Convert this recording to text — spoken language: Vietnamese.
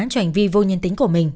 cho hành vi vô nhân tính của mình